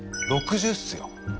６０っすよ。